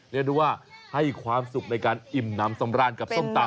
เรียกได้ว่าให้ความสุขในการอิ่มน้ำสำราญกับส้มตำ